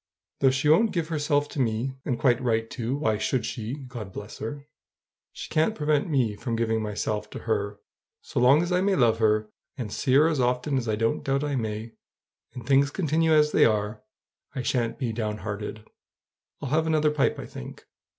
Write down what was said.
Though she won't give herself to me and quite right, too! why should she? God bless her! she can't prevent me from giving myself to her. So long as I may love her, and see her as often as I don't doubt I may, and things continue as they are, I sha'n't be down hearted. I'll have another pipe, I think."